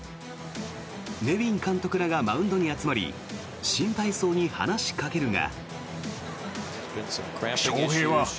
ネビン監督らがマウンドに集まり心配そうに話しかけるが。